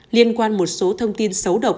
liên quan một số thông tin xấu độc